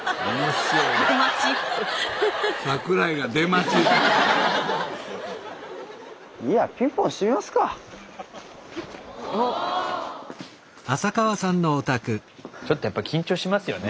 スタジオちょっとやっぱり緊張しますよね